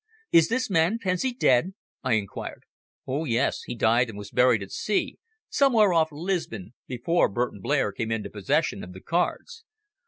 "Is this man Pensi dead?" I inquired. "Oh yes, he died and was buried at sea, somewhere off Lisbon, before Burton Blair came into possession of the cards.